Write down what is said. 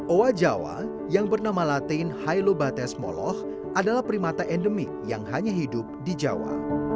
owa jawa yang bernama latin hilo bates moloh adalah primata endemik yang hanya hidup di jawa